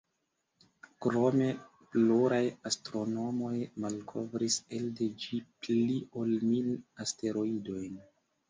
Krome, pluraj astronomoj malkovris elde ĝi pli ol mil asteroidojn.